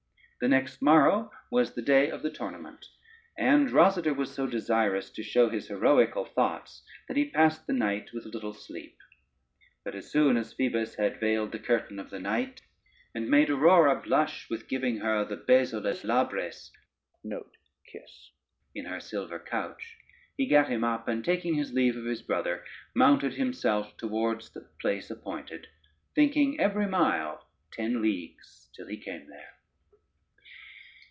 The next morrow was the day of the tournament, and Rosader was so desirous to show his heroical thoughts that he passed the night with little sleep; but as soon as Phoebus had vailed the curtain of the night, and made Aurora blush with giving her the bezo les labres in her silver couch, he gat him up, and taking his leave of his brother, mounted himself towards the place appointed, thinking every mile ten leagues till he came there.